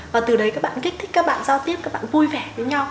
và từ đấy các bạn kích thích các bạn giao tiếp các bạn vui vẻ với nhau